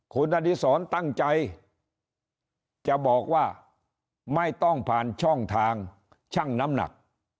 คุณอดีศรตั้งใจจะบอกว่าไม่ต้องผ่านช่องทางชั่งน้ำหนัก